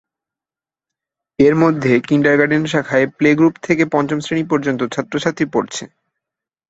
এর মধ্যে কিন্ডারগার্টেন শাখায় "প্লে গ্রুপ" থেকে পঞ্চম শ্রেণী পর্যন্ত ছাত্র-ছাত্রী পড়ছে।